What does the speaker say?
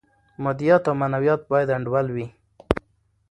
مادیات او معنویات باید انډول وي.